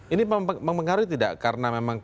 ini mempengaruhi tidak karena memang